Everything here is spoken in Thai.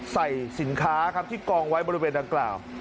ใส่สินค้าครับที่กองไว้บริเวณดังกล่าว